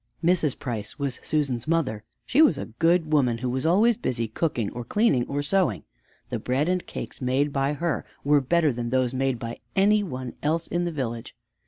Mrs. Price was Susan's mother. She was a good woman who was always busy cooking, or cleaning, or sewing. The bread and cakes made by her were better than those made by any one else in the village.